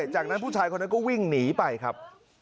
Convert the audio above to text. จากนั้นผู้ชายคนนั้นก็วิ่งหนีไปครับ